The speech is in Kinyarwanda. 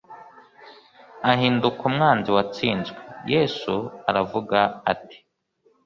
ahinduka umwanzi watsinzwe Yesu aravuga ati